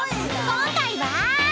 ［今回は］